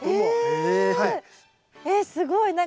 えっすごい！